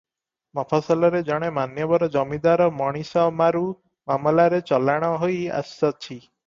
ମଫସଲରେ ଜଣେ ମାନ୍ୟବର ଜମିଦାର ମଣିଷମାରୁ ମାମଲାରେ ଚଲାଣ ହୋଇ ଆସଛି ।